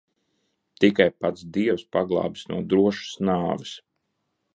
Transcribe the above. Tikai pats Dievs paglābis no drošas nāves.